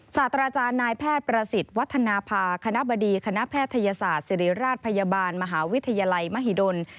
ศาสตราจารย์นายแพทย์ประสิทธิ์วัฒนภาคณะบดีคณะแพทยศาสตร์ศิริราชพยาบาลมหาวิทยาลัยมหิดล